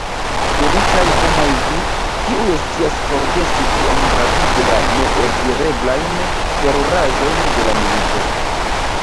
Feliĉaj homoj vi, kiuj scias forgesi tiom rapide la neeldireblajn teruraĵojn de la milito!